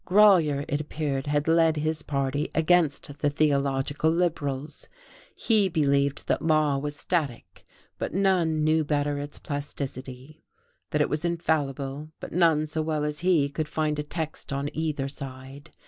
Grolier, it appeared, had led his party against the theological liberals. He believed that law was static, but none knew better its plasticity; that it was infallible, but none so well as he could find a text on either side.